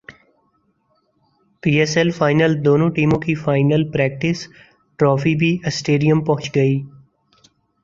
پی S L final دونوں ٹیموں کی فائنل پریکٹسٹرافی بھی اسٹیڈیم پہنچ گئی